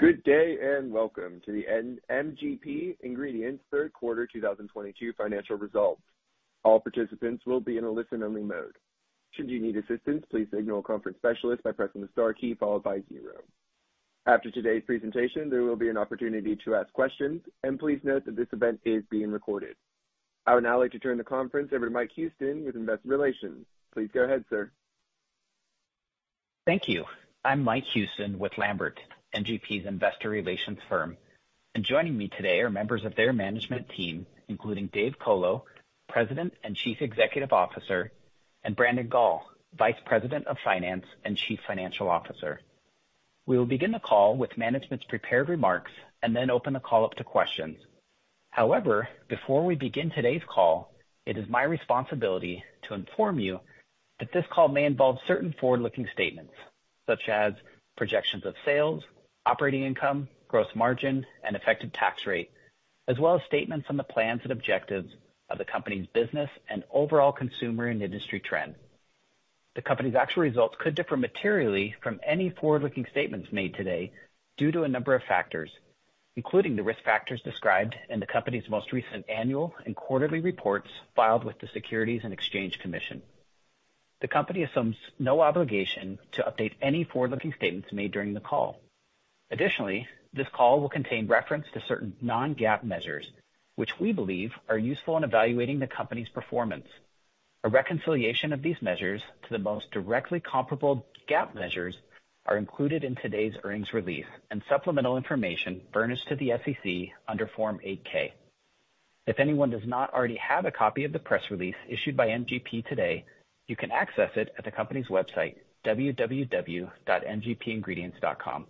Good day, and welcome to the MGP Ingredients third quarter 2022 financial results. All participants will be in a listen-only mode. Should you need assistance, please signal a conference specialist by pressing the star key followed by zero. After today's presentation, there will be an opportunity to ask questions. Please note that this event is being recorded. I would now like to turn the conference over to Mike Houston with Investor Relations. Please go ahead, sir. Thank you. I'm Mike Houston with Lambert, MGP's investor relations firm. Joining me today are members of their management team, including David Colo, President and Chief Executive Officer, and Brandon Gall, Vice President of Finance and Chief Financial Officer. We will begin the call with management's prepared remarks and then open the call up to questions. However, before we begin today's call, it is my responsibility to inform you that this call may involve certain forward-looking statements such as projections of sales, operating income, gross margin, and effective tax rate, as well as statements on the plans and objectives of the company's business and overall consumer and industry trend. The company's actual results could differ materially from any forward-looking statements made today due to a number of factors, including the risk factors described in the company's most recent annual and quarterly reports filed with the Securities and Exchange Commission. The company assumes no obligation to update any forward-looking statements made during the call. Additionally, this call will contain reference to certain non-GAAP measures which we believe are useful in evaluating the company's performance. A reconciliation of these measures to the most directly comparable GAAP measures are included in today's earnings release and supplemental information furnished to the SEC under Form 8-K. If anyone does not already have a copy of the press release issued by MGP today, you can access it at the company's website, www.mgpingredients.com.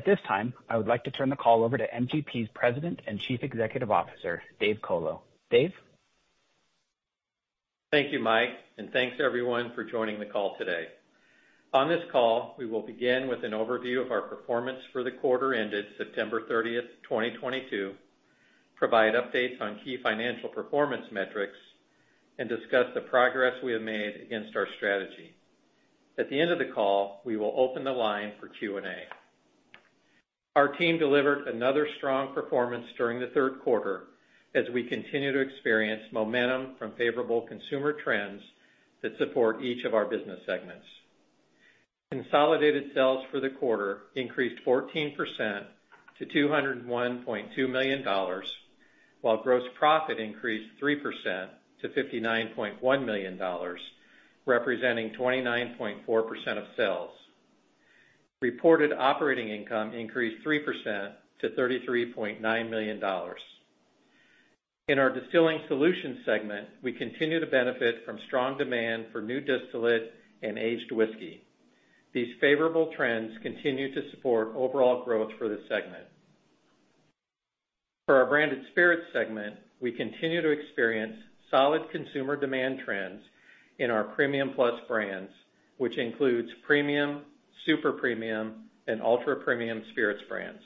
At this time, I would like to turn the call over to MGP's President and Chief Executive Officer, Dave Colo. Dave? Thank you, Mike, and thanks everyone for joining the call today. On this call, we will begin with an overview of our performance for the quarter ended September 30, 2022, provide updates on key financial performance metrics, and discuss the progress we have made against our strategy. At the end of the call, we will open the line for Q&A. Our team delivered another strong performance during the third quarter as we continue to experience momentum from favorable consumer trends that support each of our business segments. Consolidated sales for the quarter increased 14% to $201.2 million, while gross profit increased 3% to $59.1 million, representing 29.4% of sales. Reported operating income increased 3% to $33.9 million. In our Distilling Solutions segment, we continue to benefit from strong demand for new distillate and aged whiskey. These favorable trends continue to support overall growth for this segment. For our Branded Spirits segment, we continue to experience solid consumer demand trends in our premium plus brands, which includes premium, super premium, and ultra-premium spirits brands.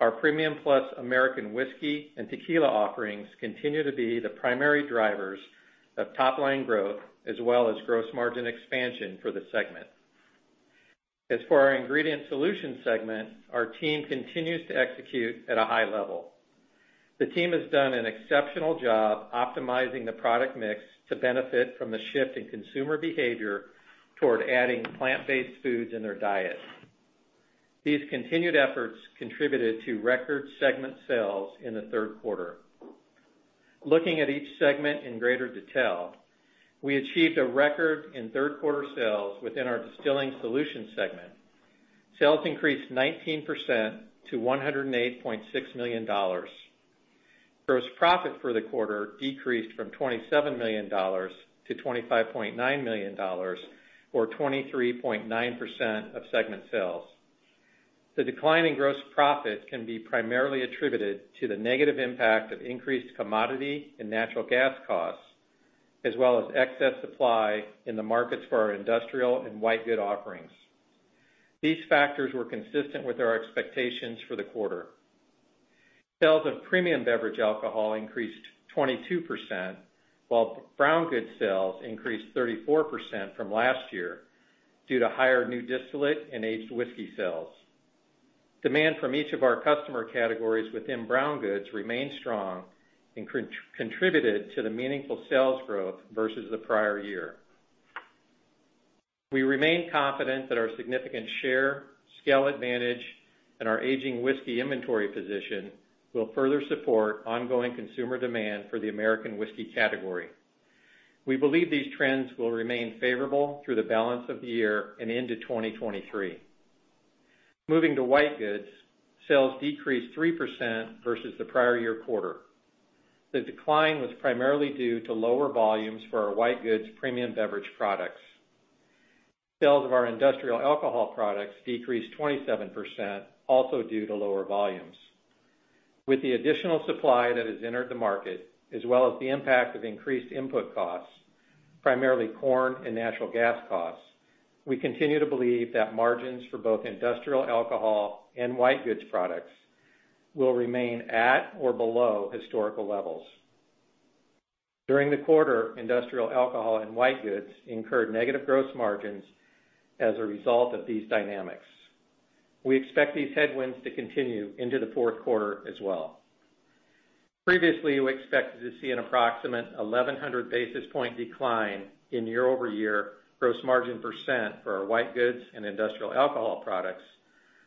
Our premium plus American whiskey and tequila offerings continue to be the primary drivers of top-line growth as well as gross margin expansion for the segment. As for our Ingredient Solutions segment, our team continues to execute at a high level. The team has done an exceptional job optimizing the product mix to benefit from the shift in consumer behavior toward adding plant-based foods in their diet. These continued efforts contributed to record segment sales in the third quarter. Looking at each segment in greater detail, we achieved a record in third quarter sales within our Distilling Solutions segment. Sales increased 19% to $108.6 million. Gross profit for the quarter decreased from $27 million to $25.9 million or 23.9% of segment sales. The decline in gross profit can be primarily attributed to the negative impact of increased commodity and natural gas costs, as well as excess supply in the markets for our industrial and white good offerings. These factors were consistent with our expectations for the quarter. Sales of premium beverage alcohol increased 22%, while brown good sales increased 34% from last year due to higher new distillate and aged whiskey sales. Demand from each of our customer categories within brown goods remained strong and contributed to the meaningful sales growth versus the prior year. We remain confident that our significant share, scale advantage, and our aging whiskey inventory position will further support ongoing consumer demand for the American whiskey category. We believe these trends will remain favorable through the balance of the year and into 2023. Moving to white goods, sales decreased 3% versus the prior year quarter. The decline was primarily due to lower volumes for our white goods premium beverage products. Sales of our industrial alcohol products decreased 27%, also due to lower volumes. With the additional supply that has entered the market, as well as the impact of increased input costs, primarily corn and natural gas costs, we continue to believe that margins for both industrial alcohol and white goods products will remain at or below historical levels. During the quarter, industrial alcohol and white goods incurred negative gross margins as a result of these dynamics. We expect these headwinds to continue into the fourth quarter as well. Previously, we expected to see an approximate 1,100 basis point decline in year-over-year gross margin % for our white goods and industrial alcohol products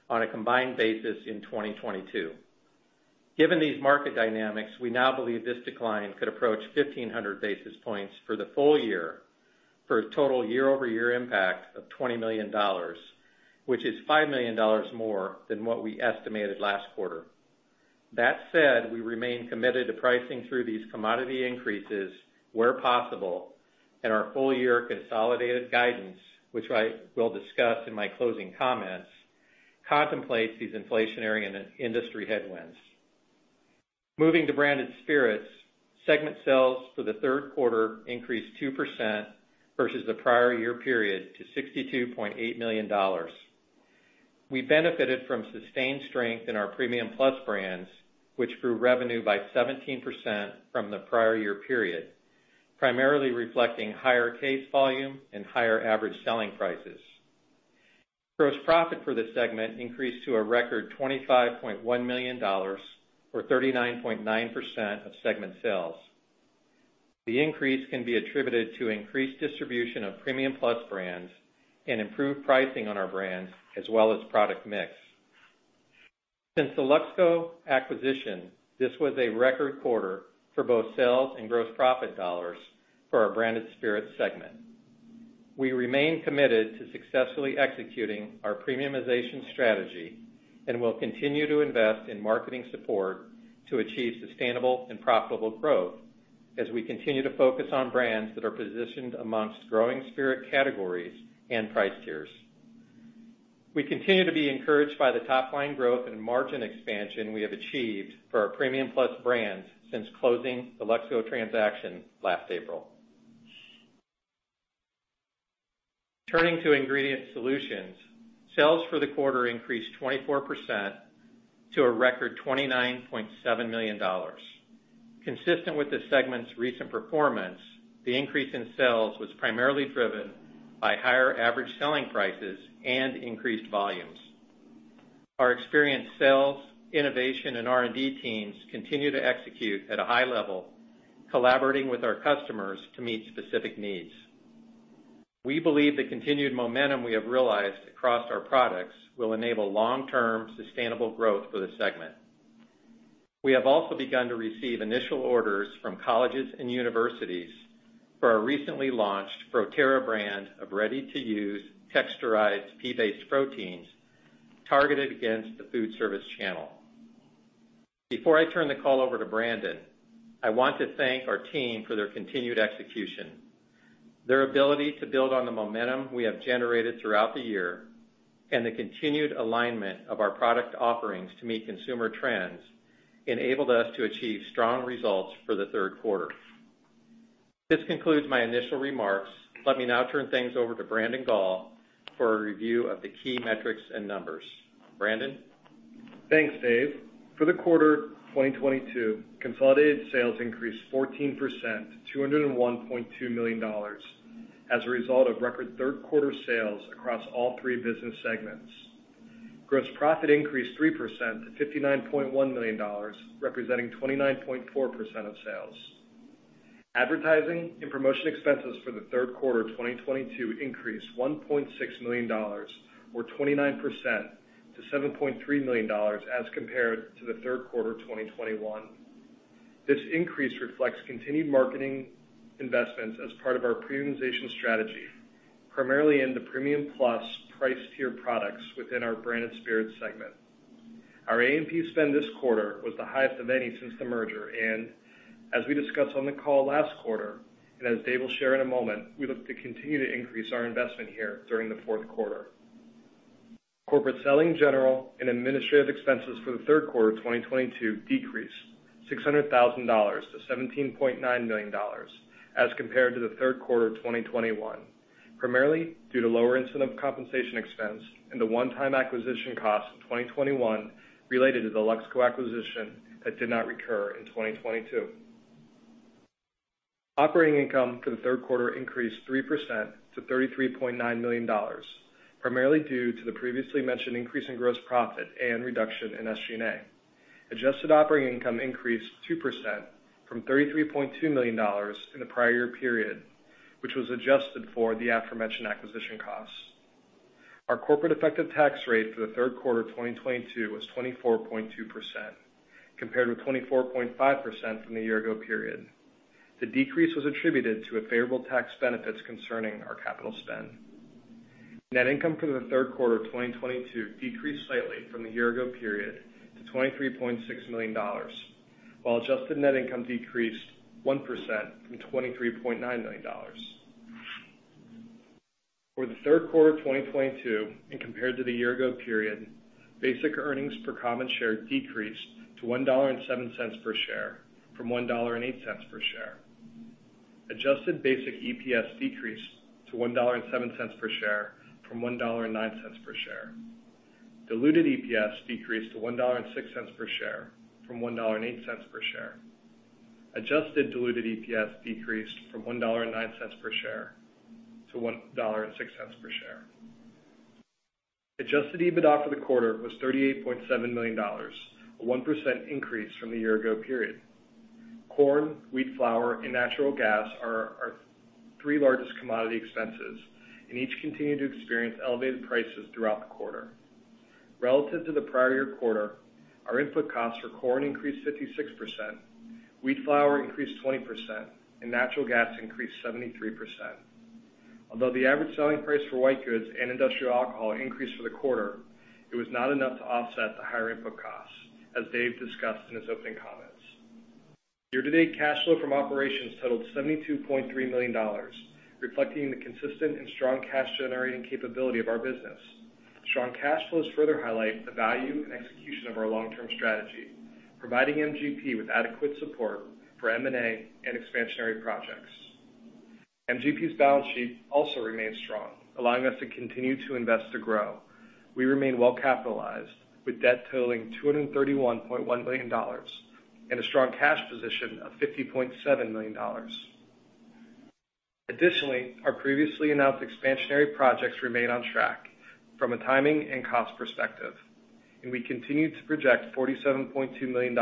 on a combined basis in 2022. Given these market dynamics, we now believe this decline could approach 1,500 basis points for the full year for a total year-over-year impact of $20 million, which is $5 million more than what we estimated last quarter. That said, we remain committed to pricing through these commodity increases where possible, and our full-year consolidated guidance, which I will discuss in my closing comments, contemplates these inflationary and industry headwinds. Moving to Branded Spirits, segment sales for the third quarter increased 2% versus the prior year period to $62.8 million. We benefited from sustained strength in our premium plus brands, which grew revenue by 17% from the prior year period, primarily reflecting higher case volume and higher average selling prices. Gross profit for this segment increased to a record $25.1 million, or 39.9% of segment sales. The increase can be attributed to increased distribution of premium plus brands and improved pricing on our brands, as well as product mix. Since the Luxco acquisition, this was a record quarter for both sales and gross profit dollars for our Branded Spirits segment. We remain committed to successfully executing our premiumization strategy, and will continue to invest in marketing support to achieve sustainable and profitable growth as we continue to focus on brands that are positioned amongst growing spirit categories and price tiers. We continue to be encouraged by the top line growth and margin expansion we have achieved for our premium plus brands since closing the Luxco transaction last April. Turning to Ingredient Solutions, sales for the quarter increased 24% to a record $29.7 million. Consistent with the segment's recent performance, the increase in sales was primarily driven by higher average selling prices and increased volumes. Our experienced sales, innovation, and R&D teams continue to execute at a high level, collaborating with our customers to meet specific needs. We believe the continued momentum we have realized across our products will enable long-term sustainable growth for the segment. We have also begun to receive initial orders from colleges and universities for our recently launched ProTerra brand of ready-to-use texturized pea-based proteins targeted against the food service channel. Before I turn the call over to Brandon, I want to thank our team for their continued execution. Their ability to build on the momentum we have generated throughout the year, and the continued alignment of our product offerings to meet consumer trends enabled us to achieve strong results for the third quarter. This concludes my initial remarks. Let me now turn things over to Brandon Gall for a review of the key metrics and numbers. Brandon? Thanks, Dave. For the third quarter of 2022, consolidated sales increased 14% to $201.2 million as a result of record third quarter sales across all three business segments. Gross profit increased 3% to $59.1 million, representing 29.4% of sales. Advertising and promotion expenses for the third quarter of 2022 increased $1.6 million, or 29% to $7.3 million as compared to the third quarter of 2021. This increase reflects continued marketing investments as part of our premiumization strategy, primarily in the premium plus price tier products within our Branded Spirits segment. Our A&P spend this quarter was the highest of any since the merger, and as we discussed on the call last quarter, and as Dave will share in a moment, we look to continue to increase our investment here during the fourth quarter. Corporate selling, general, and administrative expenses for the third quarter of 2022 decreased $600,000- $17.9 million as compared to the third quarter of 2021, primarily due to lower incentive compensation expense and the one-time acquisition cost in 2021 related to the Luxco acquisition that did not recur in 2022. Operating income for the third quarter increased 3% to $33.9 million, primarily due to the previously mentioned increase in gross profit and reduction in SG&A. Adjusted operating income increased 2% from $33.2 million in the prior year period, which was adjusted for the aforementioned acquisition costs. Our corporate effective tax rate for the third quarter of 2022 was 24.2%, compared with 24.5% from the year ago period. The decrease was attributed to a favorable tax benefits concerning our capital spend. Net income for the third quarter of 2022 decreased slightly from the year ago period to $23.6 million, while adjusted net income decreased 1% from $23.9 million. For the third quarter of 2022 and compared to the year ago period, basic earnings per common share decreased to $1.07 per share from $1.08 per share. Adjusted basic EPS decreased to $1.07 per share from $1.09 per share. Diluted EPS decreased to $1.06 per share from $1.08 per share. Adjusted diluted EPS decreased from $1.09 per share to $1.06 per share. Adjusted EBITDA for the quarter was $38.7 million, a 1% increase from the year ago period. Corn, wheat flour, and natural gas are our three largest commodity expenses, and each continued to experience elevated prices throughout the quarter. Relative to the prior year quarter, our input costs for corn increased 56%, wheat flour increased 20%, and natural gas increased 73%. Although the average selling price for white goods and industrial alcohol increased for the quarter, it was not enough to offset the higher input costs, as Dave discussed in his opening comments. Year-to-date cash flow from operations totaled $72.3 million, reflecting the consistent and strong cash generating capability of our business. Strong cash flows further highlight the value and execution of our long-term strategy, providing MGP with adequate support for M&A and expansionary projects. MGP's balance sheet also remains strong, allowing us to continue to invest to grow. We remain well capitalized, with debt totaling $231.1 million and a strong cash position of $50.7 million. Additionally, our previously announced expansionary projects remain on track from a timing and cost perspective, and we continue to project $47.2 million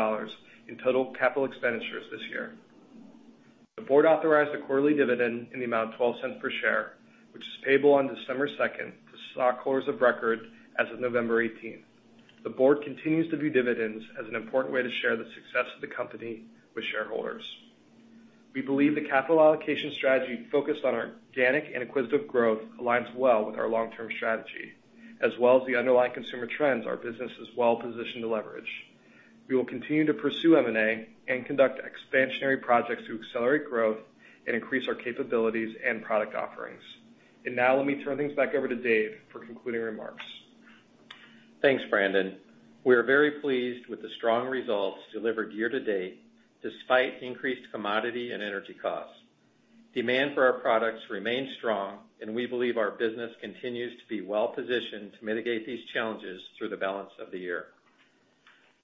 in total capital expenditures this year. The board authorized a quarterly dividend in the amount of $0.12 per share, which is payable on December 2 to stockholders of record as of November 18. The board continues to view dividends as an important way to share the success of the company with shareholders. We believe the capital allocation strategy focused on organic and acquisitive growth aligns well with our long-term strategy, as well as the underlying consumer trends our business is well positioned to leverage. We will continue to pursue M&A and conduct expansionary projects to accelerate growth and increase our capabilities and product offerings. Now let me turn things back over to Dave for concluding remarks. Thanks, Brandon. We are very pleased with the strong results delivered year-to-date despite increased commodity and energy costs. Demand for our products remains strong, and we believe our business continues to be well positioned to mitigate these challenges through the balance of the year.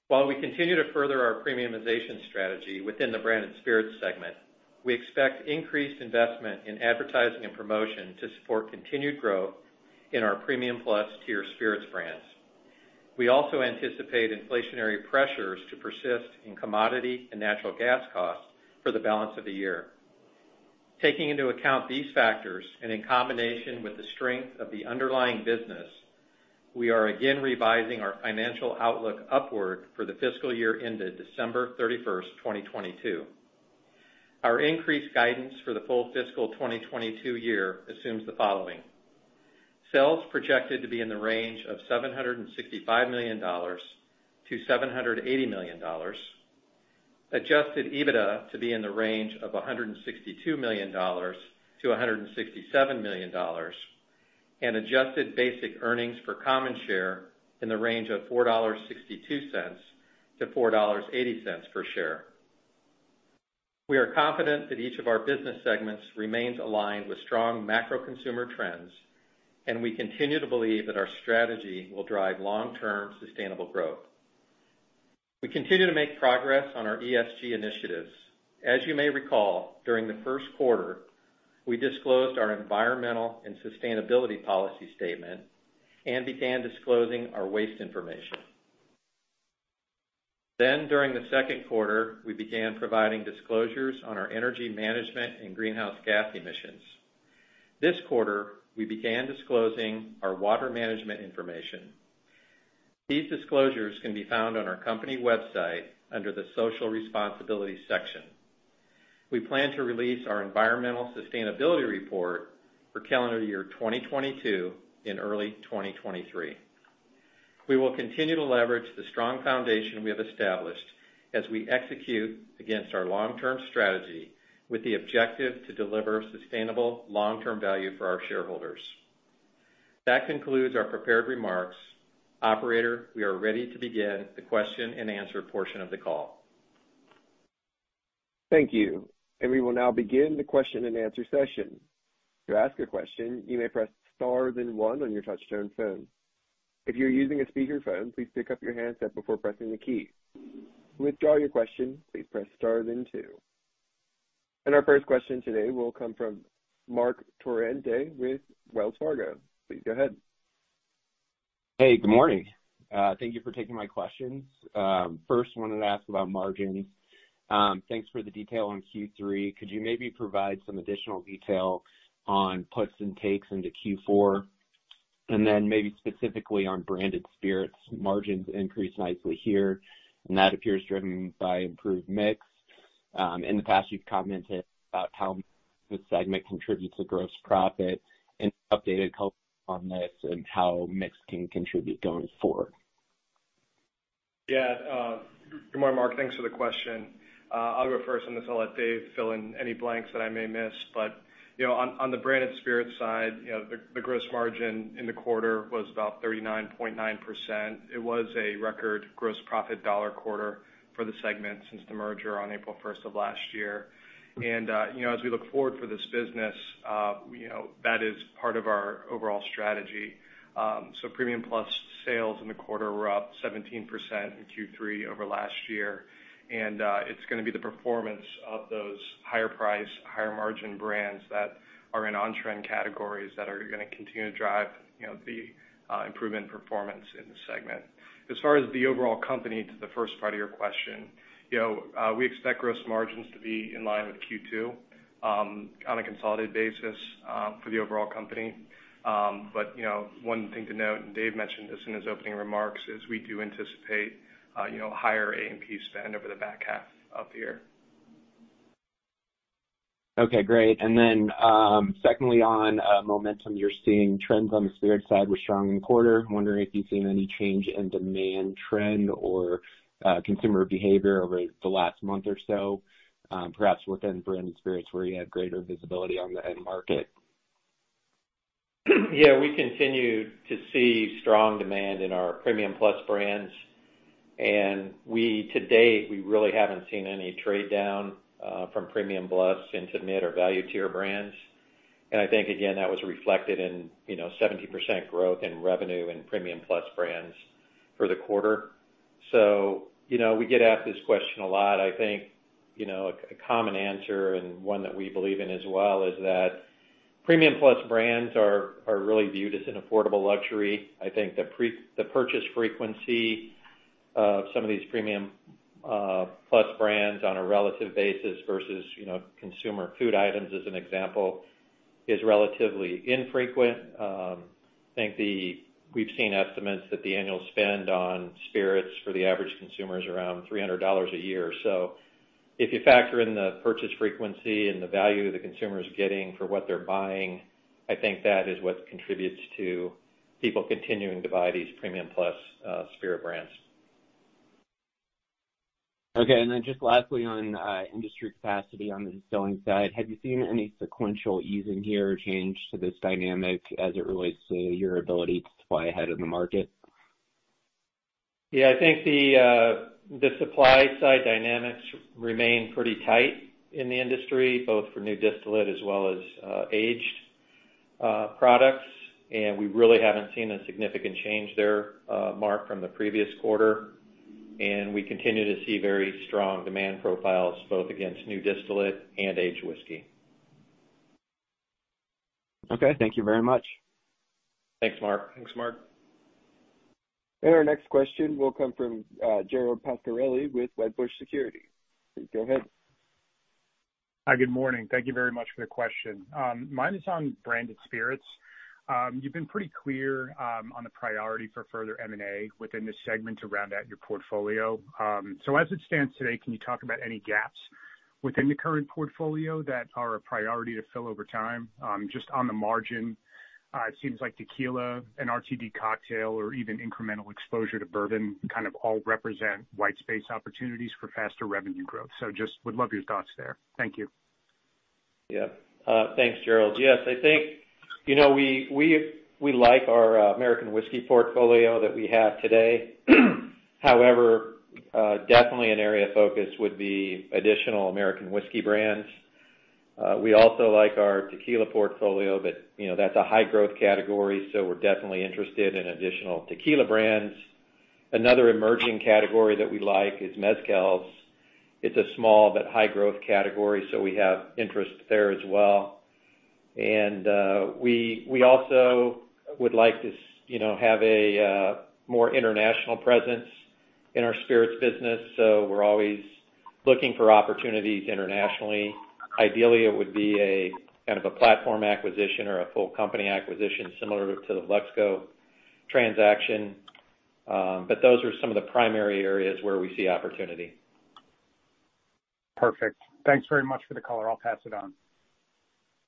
While we continue to further our premiumization strategy within the Branded Spirits segment, we expect increased investment in advertising and promotion to support continued growth in our premium plus tier spirits brands. We also anticipate inflationary pressures to persist in commodity and natural gas costs for the balance of the year. Taking into account these factors and in combination with the strength of the underlying business, we are again revising our financial outlook upward for the fiscal year ended December 31, 2022. Our increased guidance for the full fiscal 2022 year assumes the following. Sales projected to be in the range of $765 million-$780 million. Adjusted EBITDA to be in the range of $162 million-$167 million. Adjusted basic earnings per common share in the range of $4.62-$4.80 per share. We are confident that each of our business segments remains aligned with strong macro consumer trends, and we continue to believe that our strategy will drive long-term sustainable growth. We continue to make progress on our ESG initiatives. As you may recall, during the first quarter, we disclosed our environmental and sustainability policy statement and began disclosing our waste information. During the second quarter, we began providing disclosures on our energy management and greenhouse gas emissions. This quarter, we began disclosing our water management information. These disclosures can be found on our company website under the Social Responsibility section. We plan to release our environmental sustainability report for calendar year 2022 in early 2023. We will continue to leverage the strong foundation we have established as we execute against our long-term strategy with the objective to deliver sustainable long-term value for our shareholders. That concludes our prepared remarks. Operator, we are ready to begin the question-and-answer portion of the call. Thank you. We will now begin the question-and-answer session. To ask a question, you may press star then one on your touchtone phone. If you're using a speakerphone, please pick up your handset before pressing the key. To withdraw your question, please press star then two. Our first question today will come from Marc Torrente with Wells Fargo. Please go ahead. Hey, good morning. Thank you for taking my questions. First wanted to ask about margins. Thanks for the detail on Q3. Could you maybe provide some additional detail on puts and takes into Q4? Then maybe specifically on Branded Spirits, margins increased nicely here, and that appears driven by improved mix. In the past, you've commented about how the segment contributes to gross profit. Any updated color on this and how mix can contribute going forward? Yeah. Good morning, Mark. Thanks for the question. I'll go first, and then I'll let Dave fill in any blanks that I may miss. You know, on the branded spirits side, you know, the gross margin in the quarter was about 39.9%. It was a record gross profit dollar quarter for the segment since the merger on April first of last year. You know, as we look forward for this business, you know, that is part of our overall strategy. Premium Plus sales in the quarter were up 17% in Q3 over last year. It's gonna be the performance of those higher price, higher margin brands that are in on-trend categories that are gonna continue to drive, you know, the improvement performance in the segment. As far as the overall company, to the first part of your question, you know, we expect gross margins to be in line with Q2, on a consolidated basis, for the overall company. You know, one thing to note, and Dave mentioned this in his opening remarks, is we do anticipate, you know, higher A&P spend over the back half of the year. Okay, great. Secondly, on momentum, you're seeing trends on the spirits side were strong in the quarter. I'm wondering if you've seen any change in demand trend or consumer behavior over the last month or so, perhaps within Branded Spirits where you had greater visibility on the end market. Yeah, we continue to see strong demand in our Premium Plus brands. To date, we really haven't seen any trade down from Premium Plus into mid or value tier brands. I think, again, that was reflected in, you know, 70% growth in revenue in Premium Plus brands for the quarter. You know, we get asked this question a lot. I think, you know, a common answer and one that we believe in as well is that Premium Plus brands are really viewed as an affordable luxury. I think the purchase frequency of some of these Premium Plus brands on a relative basis versus, you know, consumer food items, as an example, is relatively infrequent. I think we've seen estimates that the annual spend on spirits for the average consumer is around $300 a year. If you factor in the purchase frequency and the value the consumer is getting for what they're buying, I think that is what contributes to people continuing to buy these Premium Plus Spirit brands. Okay. Just lastly on industry capacity on the distilling side, have you seen any sequential easing here or change to this dynamic as it relates to your ability to supply ahead of the market? Yeah, I think the supply side dynamics remain pretty tight in the industry, both for new distillate as well as aged products. We really haven't seen a significant change there, Marc, from the previous quarter. We continue to see very strong demand profiles both against new distillate and aged whiskey. Okay, thank you very much. Thanks, Marc. Thanks, Marc. Our next question will come from Gerald Pascarelli with Wedbush Securities. Please go ahead. Hi, good morning. Thank you very much for the question. Mine is on Branded Spirits. You've been pretty clear, on the priority for further M&A within this segment to round out your portfolio. As it stands today, can you talk about any gaps within the current portfolio that are a priority to fill over time? Just on the margin, it seems like tequila and RTD cocktail or even incremental exposure to bourbon kind of all represent white space opportunities for faster revenue growth. Just would love your thoughts there. Thank you. Yeah. Thanks, Gerald. Yes. I think, you know, we like our American whiskey portfolio that we have today. However, definitely an area of focus would be additional American whiskey brands. We also like our tequila portfolio, but, you know, that's a high growth category, so we're definitely interested in additional tequila brands. Another emerging category that we like is mezcals. It's a small but high growth category, so we have interest there as well. We also would like to, you know, have a more international presence in our spirits business. We're always looking for opportunities internationally. Ideally, it would be a kind of a platform acquisition or a full company acquisition similar to the Luxco transaction. Those are some of the primary areas where we see opportunity. Perfect. Thanks very much for the color. I'll pass it on.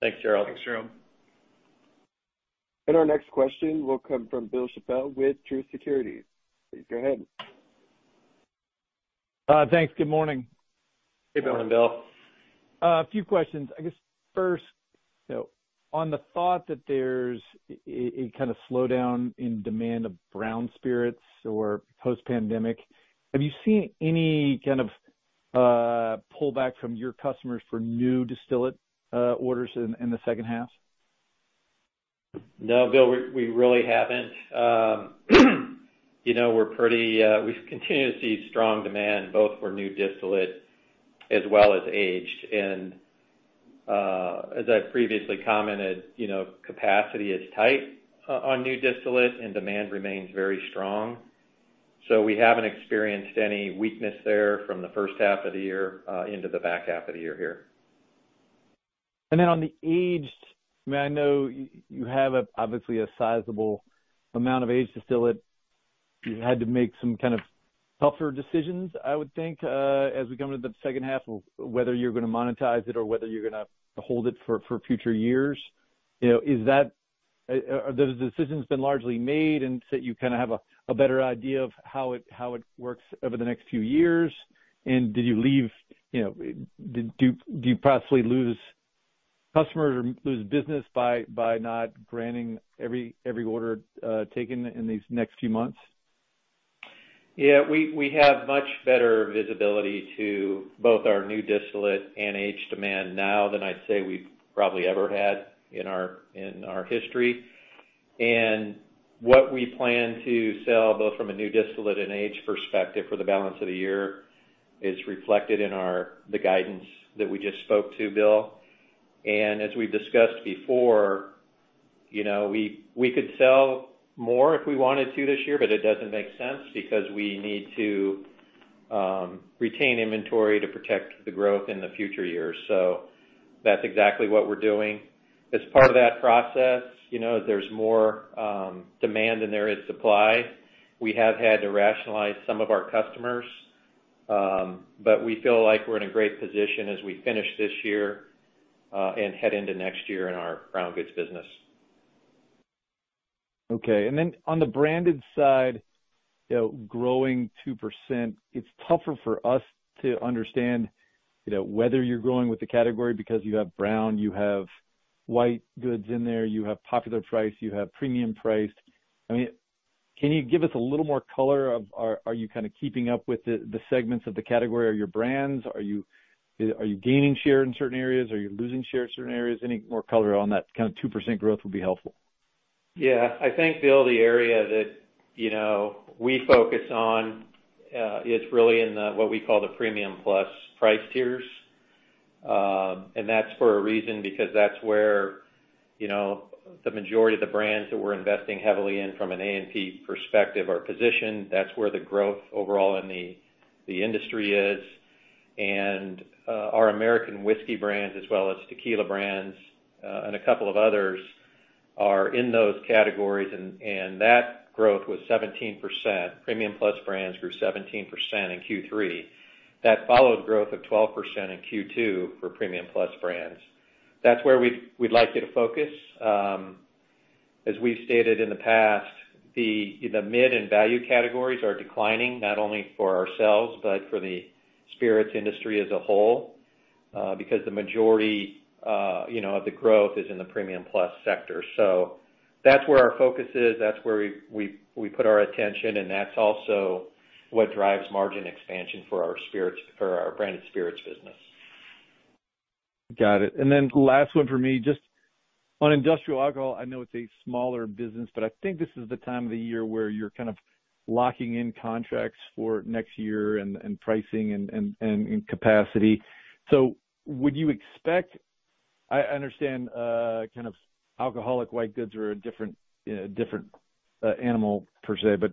Thanks, Gerald. Thanks, Gerald. Our next question will come from Bill Chappell with Truist Securities. Please go ahead. Thanks. Good morning. Good morning, Bill. A few questions. I guess first, you know, on the thought that there's a kind of slowdown in demand of brown spirits or post-pandemic, have you seen any kind of pullback from your customers for new distillate orders in the second half? No, Bill, we really haven't. You know, we've continued to see strong demand both for new distillate as well as aged. As I previously commented, you know, capacity is tight on new distillate and demand remains very strong. We haven't experienced any weakness there from the first half of the year into the back half of the year here. On the aged, I mean, I know you have obviously a sizable amount of aged distillate. You had to make some kind of tougher decisions, I would think, as we come into the second half of whether you're gonna monetize it or whether you're gonna hold it for future years. You know, are the decisions been largely made and so you kind of have a better idea of how it works over the next few years? Did you leave, you know, do you possibly lose customers or lose business by not granting every order taken in these next few months? Yeah. We have much better visibility to both our new distillate and aged demand now than I'd say we've probably ever had in our history. What we plan to sell, both from a new distillate and aged perspective for the balance of the year, is reflected in our the guidance that we just spoke to, Bill. As we've discussed before, you know, we could sell more if we wanted to this year, but it doesn't make sense because we need to retain inventory to protect the growth in the future years. That's exactly what we're doing. As part of that process, you know, there's more demand than there is supply. We have had to rationalize some of our customers, but we feel like we're in a great position as we finish this year, and head into next year in our brown goods business. Okay. On the branded side, you know, growing 2%, it's tougher for us to understand, you know, whether you're growing with the category because you have brown, you have white goods in there, you have popular price, you have premium priced. I mean, can you give us a little more color on are you kind of keeping up with the segments of the category or your brands? Are you gaining share in certain areas? Are you losing share in certain areas? Any more color on that kind of 2% growth would be helpful. Yeah. I think, Bill, the area that, you know, we focus on is really in the what we call the premium plus price tiers. That's for a reason, because that's where, you know, the majority of the brands that we're investing heavily in from an A&P perspective are positioned. That's where the growth overall in the industry is. Our American whiskey brands as well as tequila brands and a couple of others are in those categories. That growth was 17%. Premium plus brands grew 17% in Q3. That followed growth of 12% in Q2 for premium plus brands. That's where we'd like you to focus. As we've stated in the past, the mid and value categories are declining, not only for ourselves, but for the spirits industry as a whole, because the majority, you know, of the growth is in the premium plus sector. That's where our focus is, that's where we put our attention, and that's also what drives margin expansion for our spirits, for our branded spirits business. Got it. Then last one for me, just on industrial alcohol, I know it's a smaller business, but I think this is the time of the year where you're kind of locking in contracts for next year and pricing and capacity. Would you expect? I understand, kind of alcoholic white goods are a different animal per se, but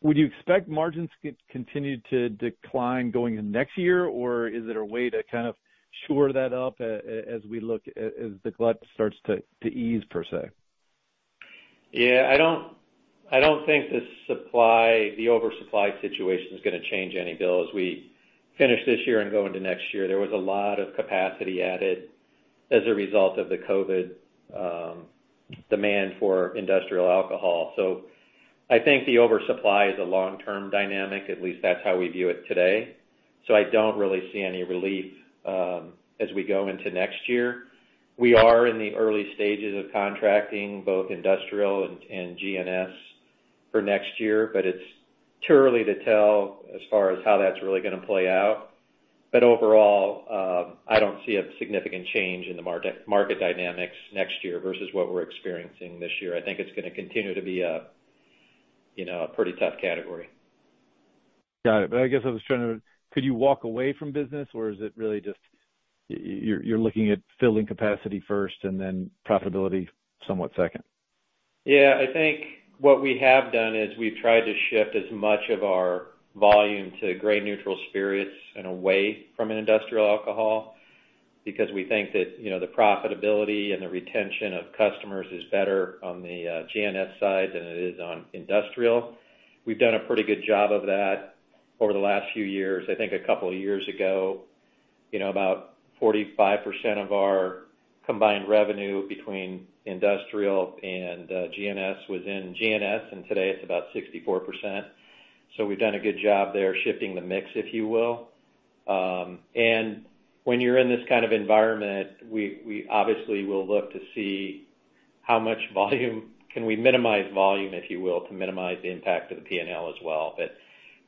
would you expect margins to continue to decline going into next year, or is it a way to kind of shore that up as we look, as the glut starts to ease, per se? Yeah. I don't think the supply, the oversupply situation is gonna change any, Bill, as we finish this year and go into next year. There was a lot of capacity added as a result of the COVID demand for industrial alcohol. I think the oversupply is a long-term dynamic, at least that's how we view it today. I don't really see any relief as we go into next year. We are in the early stages of contracting, both industrial and GNS for next year, but it's too early to tell as far as how that's really gonna play out. Overall, I don't see a significant change in the market dynamics next year versus what we're experiencing this year. I think it's gonna continue to be a you know, a pretty tough category. Got it. I guess I was trying to. Could you walk away from business or is it really just you're looking at filling capacity first and then profitability somewhat second? Yeah. I think what we have done is we've tried to shift as much of our volume to grain neutral spirits and away from an industrial alcohol because we think that, you know, the profitability and the retention of customers is better on the GNS side than it is on industrial. We've done a pretty good job of that over the last few years. I think a couple of years ago, you know, about 45% of our combined revenue between industrial and GNS was in GNS, and today it's about 64%. We've done a good job there shifting the mix, if you will. When you're in this kind of environment, we obviously will look to see how much volume can we minimize volume, if you will, to minimize the impact of the P&L as well.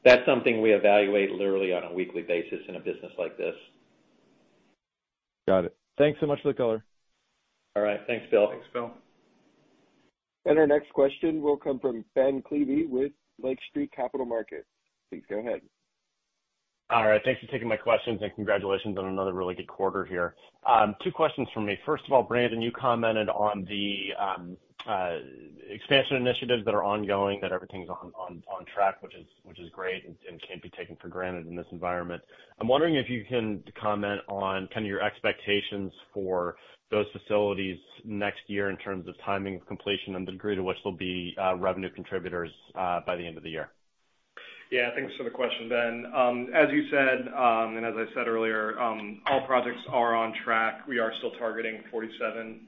That's something we evaluate literally on a weekly basis in a business like this. Got it. Thanks so much for the color. All right. Thanks, Bill. Thanks, Bill. Our next question will come from Ben Klieve with Lake Street Capital Markets. Please go ahead. All right. Thanks for taking my questions, and congratulations on another really good quarter here. Two questions from me. First of all, Brandon, you commented on the expansion initiatives that are ongoing, that everything's on track, which is great and can't be taken for granted in this environment. I'm wondering if you can comment on kind of your expectations for those facilities next year in terms of timing of completion and the degree to which they'll be revenue contributors by the end of the year. Yeah, thanks for the question, Ben. As you said, and as I said earlier, all projects are on track. We are still targeting $47.2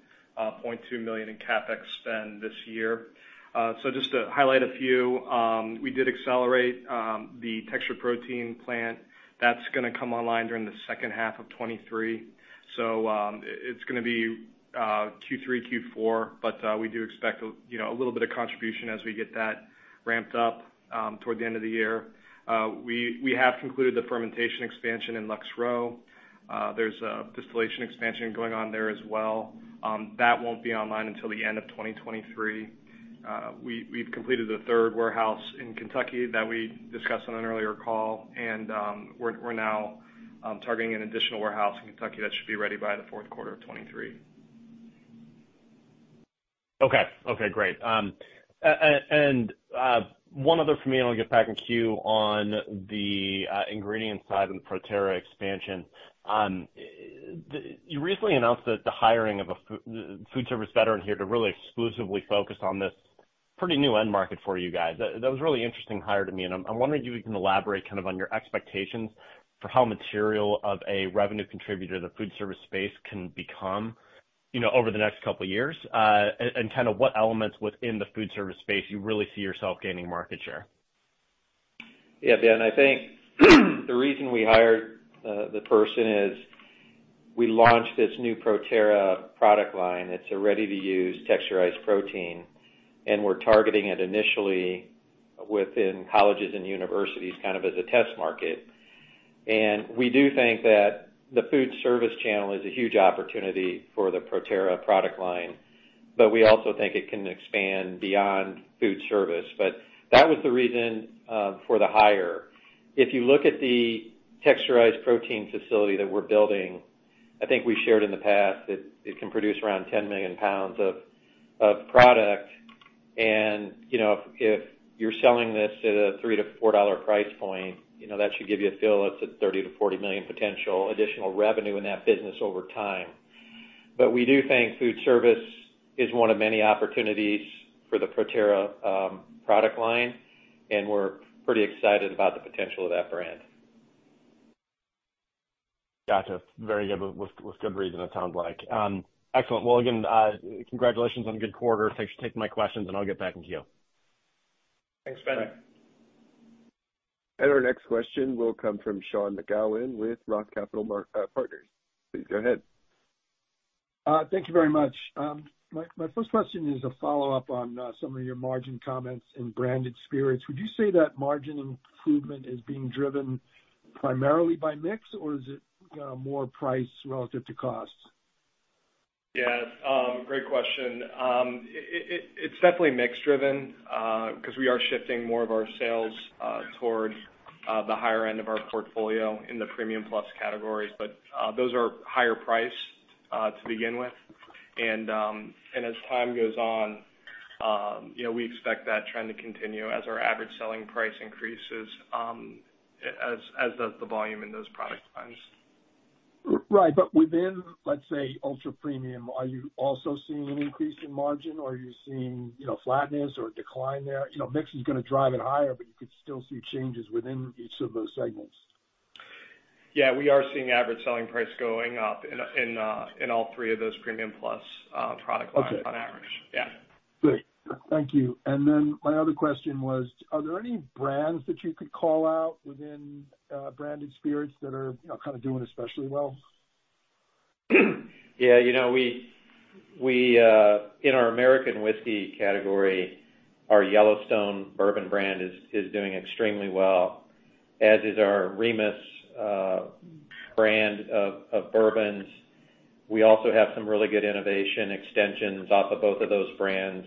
million in CapEx spend this year. So just to highlight a few, we did accelerate the textured protein plant that's gonna come online during the second half of 2023. It's gonna be Q3, Q4, but we do expect a little bit of contribution as we get that ramped up toward the end of the year. We have concluded the fermentation expansion in Luxco. There's a distillation expansion going on there as well, that won't be online until the end of 2023. We've completed the third warehouse in Kentucky that we discussed on an earlier call, and we're now targeting an additional warehouse in Kentucky that should be ready by the fourth quarter of 2023. Okay. Okay, great. One other from me, and I'll get back in queue. On the ingredient side and ProTerra expansion, you recently announced that the hiring of a foodservice veteran here to really exclusively focus on this pretty new end market for you guys. That was a really interesting hire to me, and I'm wondering if you can elaborate kind of on your expectations for how material of a revenue contributor the foodservice space can become, you know, over the next couple years, and kind of what elements within the foodservice space you really see yourself gaining market share. Yeah, Ben, I think the reason we hired the person is we launched this new ProTerra product line. It's a ready-to-use textured protein, and we're targeting it initially within colleges and universities, kind of as a test market. We do think that the foodservice channel is a huge opportunity for the ProTerra product line, but we also think it can expand beyond foodservice. That was the reason for the hire. If you look at the textured protein facility that we're building, I think we shared in the past that it can produce around 10 million pounds of product. You know, if you're selling this at a $3-$4 price point, you know, that should give you a feel it's a $30 million-$40 million potential additional revenue in that business over time. We do think foodservice is one of many opportunities for the ProTerra product line, and we're pretty excited about the potential of that brand. Gotcha. Very good. With good reason, it sounds like. Excellent. Well, again, congratulations on a good quarter. Thanks for taking my questions, and I'll get back in queue. Thanks, Ben. Thanks. Our next question will come from Sean McGowan with ROTH Capital Partners. Please go ahead. Thank you very much. My first question is a follow-up on some of your margin comments in Branded Spirits. Would you say that margin improvement is being driven primarily by mix, or is it more price relative to cost? Yeah. Great question. It's definitely mix driven, 'cause we are shifting more of our sales towards the higher end of our portfolio in the premium plus categories. Those are higher priced to begin with. As time goes on, you know, we expect that trend to continue as our average selling price increases, as does the volume in those product lines. Right. Within, let's say, ultra premium, are you also seeing an increase in margin, or are you seeing, you know, flatness or decline there? You know, mix is gonna drive it higher, but you could still see changes within each of those segments. Yeah, we are seeing average selling price going up in all three of those premium plus product lines. Okay. On average, yeah. Great. Thank you. My other question was, are there any brands that you could call out within Branded Spirits that are, you know, kind of doing especially well? Yeah, you know, we in our American whiskey category, our Yellowstone bourbon brand is doing extremely well, as is our Remus brand of bourbons. We also have some really good innovation extensions off of both of those brands,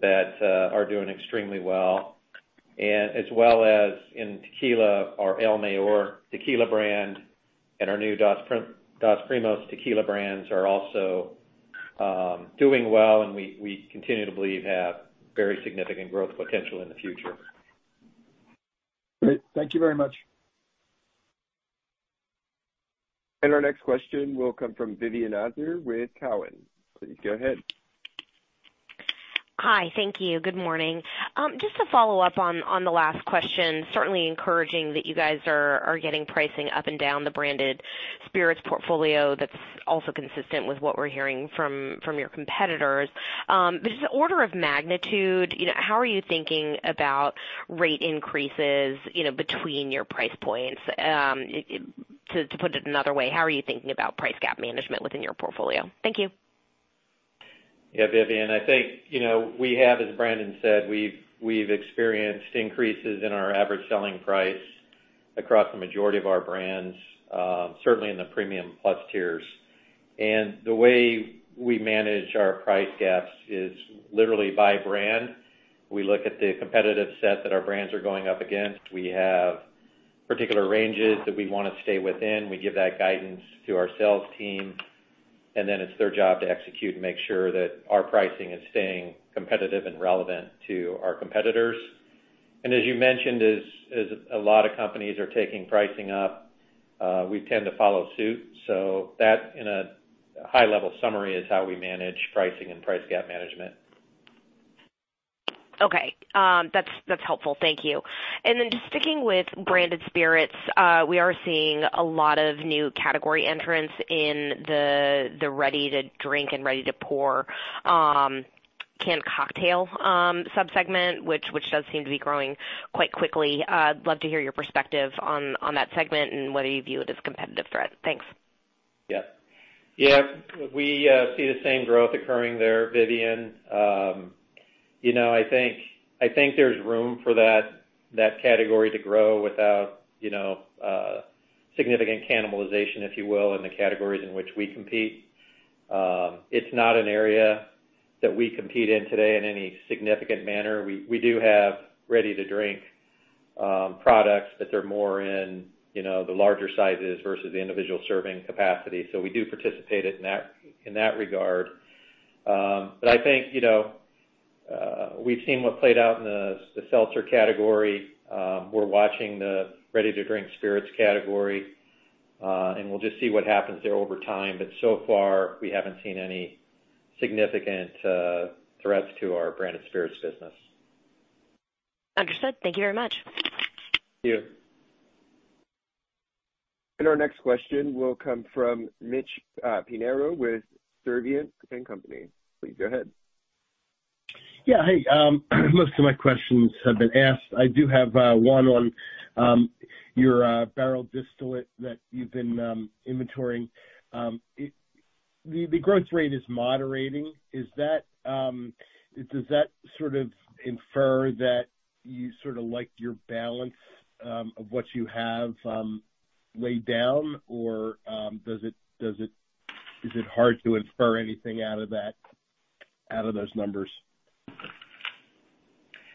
that are doing extremely well. As well as in tequila, our El Mayor tequila brand and our new Dos Primos tequila brands are also doing well, and we continue to believe have very significant growth potential in the future. Great. Thank you very much. Our next question will come from Vivien Azer with Cowen. Please go ahead. Hi. Thank you. Good morning. Just to follow up on the last question, certainly encouraging that you guys are getting pricing up and down the Branded Spirits portfolio that's also consistent with what we're hearing from your competitors. But just the order of magnitude, you know, how are you thinking about rate increases, you know, between your price points? To put it another way, how are you thinking about price gap management within your portfolio? Thank you. Yeah, Vivien, I think, you know, we have, as Brandon said, we've experienced increases in our average selling price across the majority of our brands, certainly in the premium plus tiers. The way we manage our price gaps is literally by brand. We look at the competitive set that our brands are going up against. We have particular ranges that we wanna stay within. We give that guidance to our sales team, and then it's their job to execute and make sure that our pricing is staying competitive and relevant to our competitors. As you mentioned, as a lot of companies are taking pricing up, we tend to follow suit. That, in a high level summary, is how we manage pricing and price gap management. Okay. That's helpful. Thank you. Then just sticking with Branded Spirits, we are seeing a lot of new category entrants in the ready to drink and ready to pour canned cocktail subsegment, which does seem to be growing quite quickly. I'd love to hear your perspective on that segment and whether you view it as competitive threat. Thanks. Yeah. We see the same growth occurring there, Vivien. You know, I think there's room for that category to grow without significant cannibalization, if you will, in the categories in which we compete. It's not an area that we compete in today in any significant manner. We do have ready to drink products, but they're more in the larger sizes versus the individual serving capacity. So we do participate in that regard. But I think we've seen what played out in the seltzer category. We're watching the ready to drink spirits category, and we'll just see what happens there over time. So far, we haven't seen any significant threats to our branded spirits business. Understood. Thank you very much. Thank you. Our next question will come from Mitch Pinheiro with Sturdivant & Company. Please go ahead. Yeah. Hey, most of my questions have been asked. I do have one on your barrel distillate that you've been inventorying. The growth rate is moderating. Does that sort of infer that you sort of like your balance of what you have laid down? Or is it hard to infer anything out of that, out of those numbers?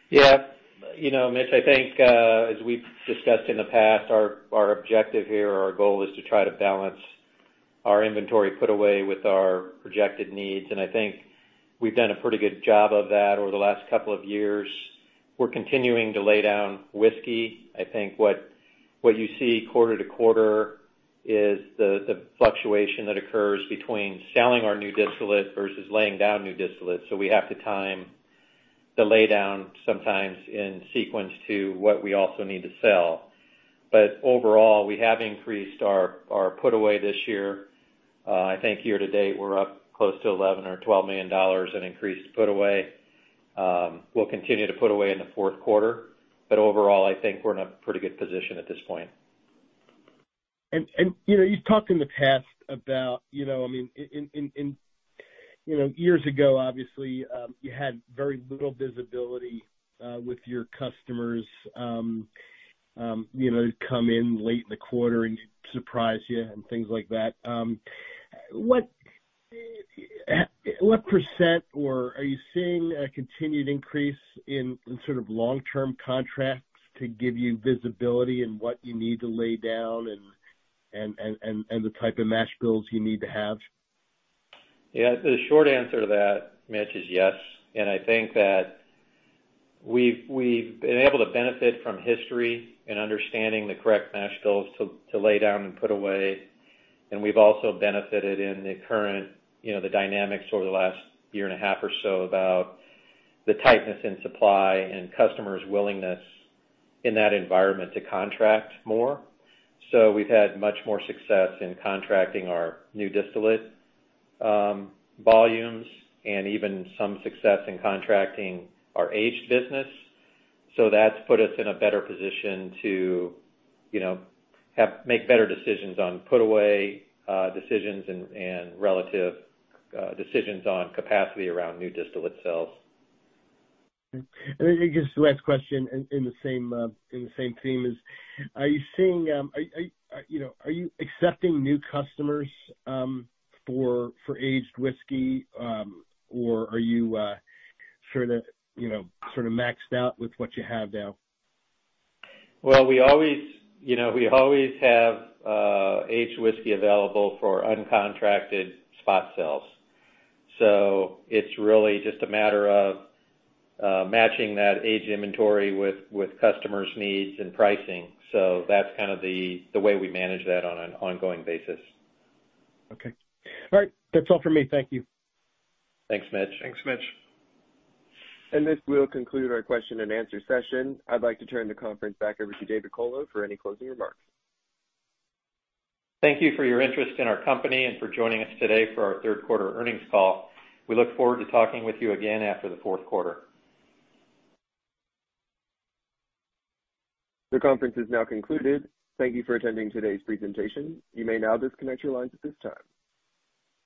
Yeah. You know, Mitch, I think as we've discussed in the past, our objective here, our goal is to try to balance our inventory put away with our projected needs, and I think we've done a pretty good job of that over the last couple of years. We're continuing to lay down whiskey. I think what you see quarter to quarter is the fluctuation that occurs between selling our new distillate versus laying down new distillate. We have to time the lay down sometimes in sequence to what we also need to sell. Overall, we have increased our put away this year. I think year to date, we're up close to $11 million-$12 million in increased put away. We'll continue to put away in the fourth quarter, but overall, I think we're in a pretty good position at this point. You know, you've talked in the past about, you know, I mean, in you know years ago, obviously, you had very little visibility with your customers, you know, come in late in the quarter and surprise you and things like that. What percent or are you seeing a continued increase in sort of long-term contracts to give you visibility in what you need to lay down and the type of mash bills you need to have? Yeah. The short answer to that, Mitch, is yes. I think that we've been able to benefit from history and understanding the correct mash bills to lay down and put away. We've also benefited in the current, you know, the dynamics over the last year and a half or so about the tightness in supply and customers' willingness in that environment to contract more. We've had much more success in contracting our new distillate volumes and even some success in contracting our aged business. That's put us in a better position to, you know, make better decisions on put away decisions and relative decisions on capacity around new distillate sales. I guess the last question in the same theme is, are you seeing? Are you accepting new customers for aged whiskey? Or are you sort of, you know, sort of maxed out with what you have now? Well, we always, you know, have aged whiskey available for uncontracted spot sales. It's really just a matter of matching that aged inventory with customers' needs and pricing. That's kind of the way we manage that on an ongoing basis. Okay. All right. That's all for me. Thank you. Thanks, Mitch. Thanks, Mitch. This will conclude our question and answer session. I'd like to turn the conference back over to David Colo for any closing remarks. Thank you for your interest in our company and for joining us today for our third quarter earnings call. We look forward to talking with you again after the fourth quarter. The conference is now concluded. Thank you for attending today's presentation. You may now disconnect your lines at this time.